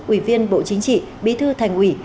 ủy viên bộ chính trị bí thư thành ủy